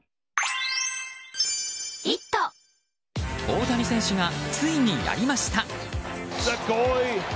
大谷選手がついにやりました。